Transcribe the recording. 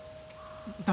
誰？